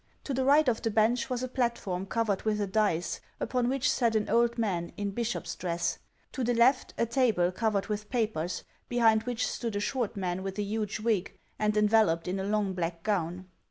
To the right of the bench was a platform covered with a dais, upon which sat an old man, in bishop's dress ; to the left, a table covered with papers, behind which stood a short man with a huge wig, and enveloped in a long black gown.